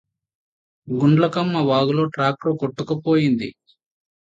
గుండ్లకమ్మ వాగులో ట్రాక్టర్ కొట్టుకుపోయింది